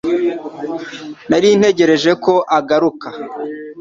Nari ntegereje ko ugaruka